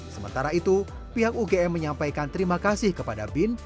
sementara itu pihak ugm menyampaikan terima kasih kepada bin